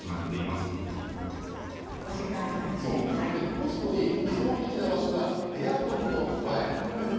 干すのに理想的な場所が、エアコンの前です。